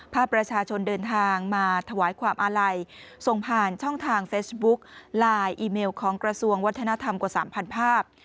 ภาพประชาชนเดินทางมาถวายความอาลัยส่งผ่านช่องทางเฟซบุ๊คไลน์อีเมลของกระทรวงวัฒนธรรมกว่า๓๐๐ภาพ